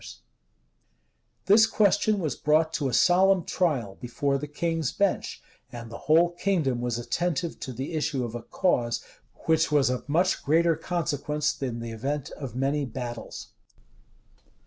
[Illustration: 1 623 hampden.jpg Sir Edmond Hambden] This question was brought to a solemn trial, before the king's bench; and the whole kingdom was attentive to the issue of a cause which was of much greater consequence than the event of many battles.